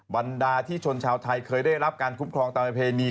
บรรดาที่ชนชาวไทยเคยได้รับการคุ้มครองตามประเพณี